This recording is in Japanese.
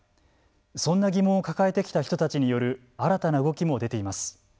そんな疑問を抱えてきた人たちによる新たな動きも出ています。